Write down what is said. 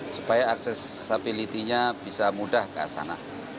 supaya aksesabilitinya bisa mudah ke sana